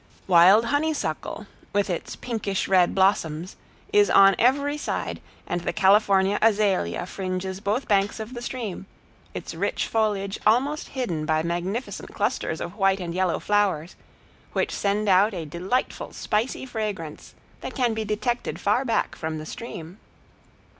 Wild honeysuckle, with its pinkish red blossoms, is on every side and the California azalea fringes both banks of the stream, its rich foliage almost hidden by magnificent clusters of white and yellow flowers, which send out a delightful, spicy fragrance, that can be detected far back from the stream.